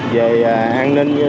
về an ninh